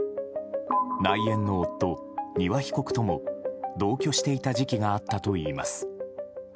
内縁の夫・丹羽被告とも同居していた時期があったといいます。